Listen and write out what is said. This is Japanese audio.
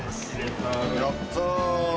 やった。